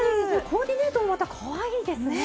コーディネートもまたかわいいですね。